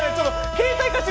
携帯貸して。